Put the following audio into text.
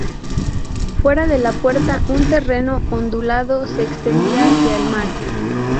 Fuera de la puerta, un terreno ondulado se extendía hacia el mar.